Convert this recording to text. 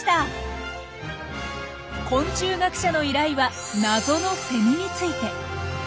昆虫学者の依頼は謎のセミについて。